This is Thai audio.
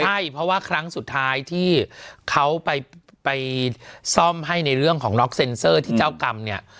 ใช่เพราะว่าครั้งสุดท้ายที่เขาไปซ่อมให้ในเรื่องของน็อกเซ็นเซอร์ที่เจ้ากรรมเนี่ย